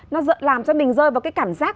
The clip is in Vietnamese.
nó làm cho mình rơi vào cái cảm giác